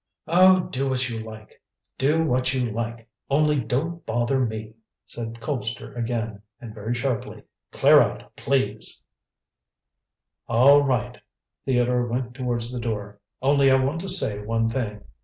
"Oh, do what you like; do what you like; only don't bother me!" said Colpster again, and very sharply. "Clear out, please!" "All right!" Theodore went towards the door; "only I want to say one thing.